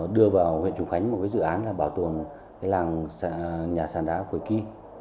đưa vào huyện trùng khánh một dự án là bảo tồn làng nhà sàn đá quỳ kỳ